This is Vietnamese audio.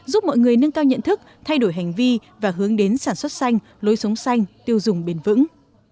giúp mọi người nâng cao nhận thức thay đổi hành vi và hướng đến sản xuất xanh lối sống xanh tiêu dùng bền vững